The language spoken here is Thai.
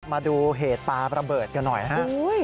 มาดูเหตุปลาระเบิดเดี๋ยวหน่อย